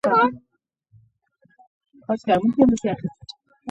دوی په لرې سیمو کې تجارت کاوه